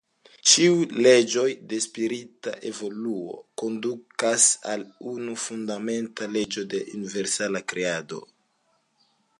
Ĉiuj leĝoj de spirita evoluo kondukas al unu fundamenta leĝo de universala kreado.